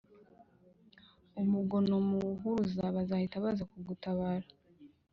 Umugono muwuhuruza!bazahita baza kugutabara